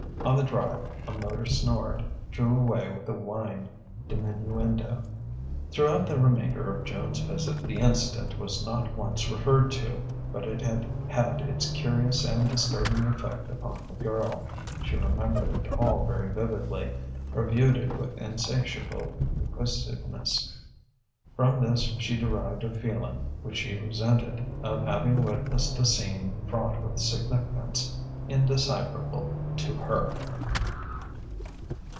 On the drive a motor snorted, snored, drew away with a whine diminuendo.... Throughout the remainder of Joan's visit the incident was not once referred to. But it had had its curious and disturbing effect upon the girl. She remembered it all very vividly, reviewed it with insatiable inquisitiveness. From this she derived a feeling, which she resented, of having witnessed a scene fraught with significance indecipherable to her.